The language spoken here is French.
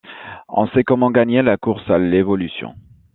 On sait comment gagner la course à l’évolution.